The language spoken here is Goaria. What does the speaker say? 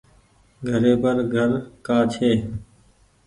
گهري پر گهر ڪآ ڇي۔